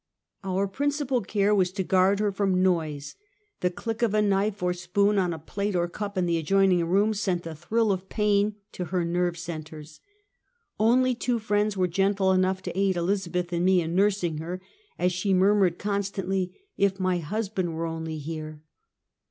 Our principal care was to guard her from noise. The click of a knife or spoon on a plate or cup in the adjoining room, sent a thrill of pain to her nerve cen tres. Only two friends were gentle enough to aid Elizabeth and me in nursing her, as she murmured, constantly: " If my husband were only here!